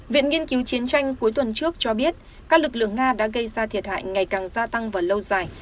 viện nghiên cứu chiến tranh cuối tuần trước cho biết các lực lượng nga đã gây ra thiệt hại ngày càng gia tăng và lâu dài